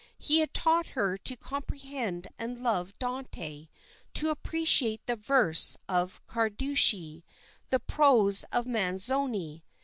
He had taught her to comprehend and love Dante to appreciate the verse of Carducci, the prose of Manzoni.